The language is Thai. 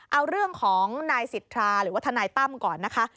เอาเรื่องของนายสิทธาหรือว่าทนายตั้มก่อนนะคะ